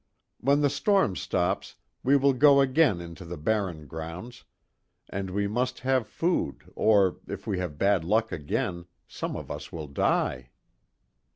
When the storms stops we will go again into the barren grounds, and we must have food, or, if we have bad luck again, some of us will die."